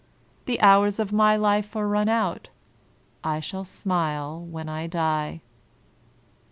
The hours of my life are run out. I shall smile when I die"?